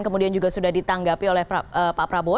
kemudian juga sudah ditanggapi oleh pak prabowo